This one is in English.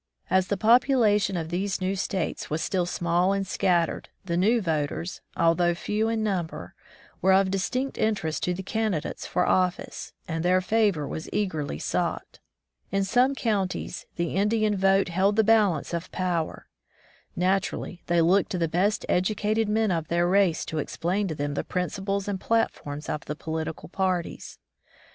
As the population of these new states was still small and scattered, the new voters, although few in number, were of distinct interest to the candidates for office, and their favor was eagerly sought. In some counties, the Indian vote held the balance of 164 At the Nation's Capital power. Naturally, they looked to the best educated men of their race to explain to them the principles and platforms of the political parties.